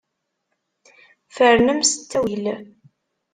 Fernem s ttawil.